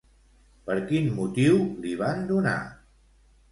Per quin motiu li van donar?